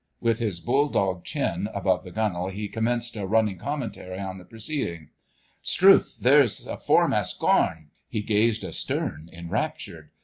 With his bull dog chin above the gunwale he commenced a running commentary on the proceedings. "... 'Strewth! There's 'is foremast gorn!" He gazed astern enraptured.